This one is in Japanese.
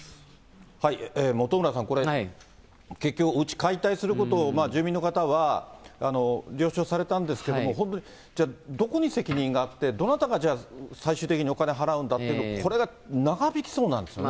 本村さん、これ結局、おうち解体することを、住民の方は了承されたんですけれども、本当じゃあどこに責任があって、どなたが最終的にお金を払うんだって、これが長引きそうなんですよね。